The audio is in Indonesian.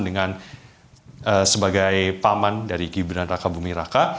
dengan sebagai paman dari gibran raka bumi raka